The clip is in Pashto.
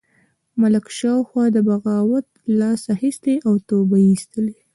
ملک شاهو له بغاوته لاس اخیستی او توبه یې ایستلې.